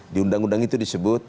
di undang undang itu disebut